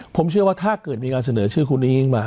ผมเชื่อว่าถ้าเกิดมีการเสนอชื่อคุณอุ้งมา